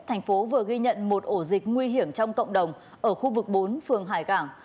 thành phố vừa ghi nhận một ổ dịch nguy hiểm trong cộng đồng ở khu vực bốn phường hải cảng